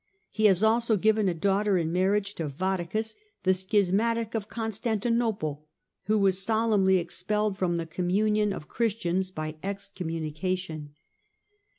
He has also given a daughter in marriage to Vattacus, the schismatic of Constanti nople, who was solemnly expelled from the communion of Christians by excommunication.